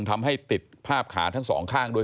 ทำให้ติดภาพขาทั้งสองข้างด้วย